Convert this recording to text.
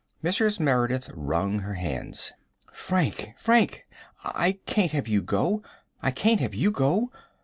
Mrs. Merideth wrung her hands. "Frank Frank I can't have you go I can't have you go!"